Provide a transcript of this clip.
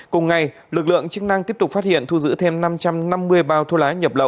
cùng ngày lực lượng chức năng tiếp tục phát hiện thu giữ thêm năm trăm năm mươi bao thuốc lá nhập lậu